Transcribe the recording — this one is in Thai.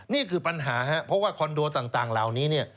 นี่คือปัญหาครับเพราะว่าคอนโดต่างเหล่านี้เนี่ย